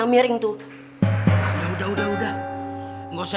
menganggap om sulam